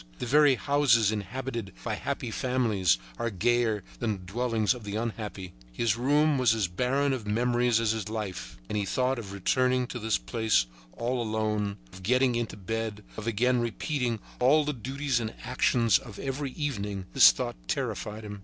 The very houses inhabited by happy families are gayer than the dwellings of the unhappy. His room was as barren of memories as his life. And the thought of returning to this place, all alone, of getting into his bed, of again repeating all the duties and actions of every evening, this thought terrified him.